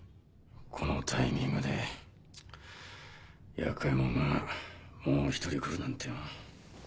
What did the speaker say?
このタイミングで厄介者がもう一人来るなんて。